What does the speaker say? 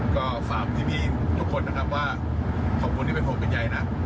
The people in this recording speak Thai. ก็ฝากที่พี่ทุกคนนะครับว่าขอบคุณที่ไปพบกันใหญ่นะ